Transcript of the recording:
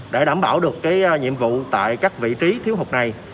để đảm bảo được nhiệm vụ tại các vị trí thiếu hụt này